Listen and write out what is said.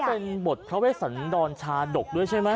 เป็นบทพระเวสันดรชาดกด้วยใช่ไหม